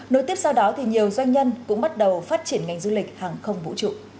nối tiếp sau đó thì nhiều doanh nhân cũng bắt đầu phát triển ngành du lịch hàng không vũ trụ